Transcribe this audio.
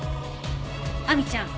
亜美ちゃん